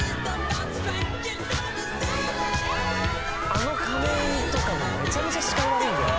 あの仮面とかもメチャメチャ視界悪いんだよ